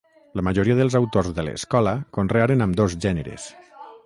La majoria dels autors de l'escola conrearen ambdós gèneres.